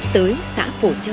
tới xã phổ châu